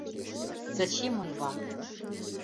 Зачем он вам?